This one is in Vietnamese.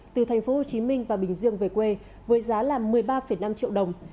từ tp hcm và bình dương về quê với giá là một mươi ba năm triệu đồng